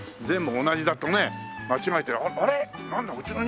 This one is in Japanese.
全部同じだとね間違えて「あれっ！？